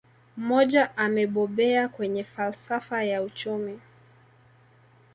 Mmoja amebobea kwenye falsafa ya uchumi